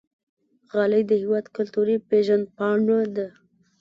غالۍ د هېواد کلتوري پیژند پاڼه ده.